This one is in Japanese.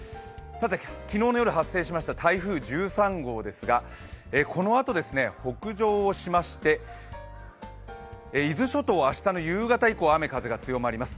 昨日の夜発生しました台風１３号ですがこのあと北上をしまして、伊豆諸島明日の夕方以降、雨風強まります。